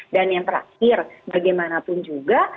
dan yang terakhir bagaimanapun juga